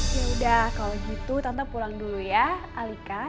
ya udah kalau gitu tante pulang dulu ya alika